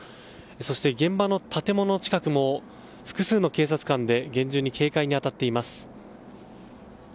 そして、現場の建物近くも複数の警察官で厳重に警戒に当たっています。